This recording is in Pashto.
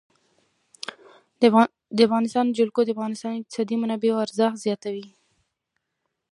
د افغانستان جلکو د افغانستان د اقتصادي منابعو ارزښت زیاتوي.